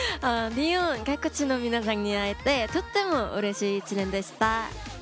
皆さんに会えてとってもうれしい１年でした。